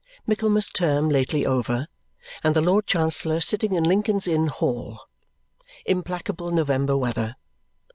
Michaelmas term lately over, and the Lord Chancellor sitting in Lincoln's Inn Hall. Implacable November weather.